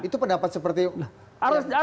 itu pendapat seperti apa